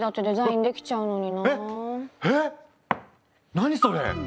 何それ⁉